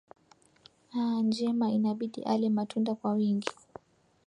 a njema inabidi ale matunda kwa wingi